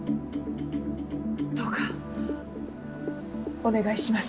どうかお願いします。